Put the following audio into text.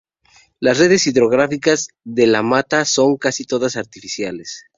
Las redes hidrográficas de La Mata son casi todas artificiales.